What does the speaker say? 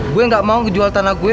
gue gak mau jual tanah gue